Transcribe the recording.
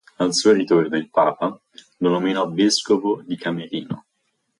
Al suo ritorno il papa lo nominò vescovo di Camerino.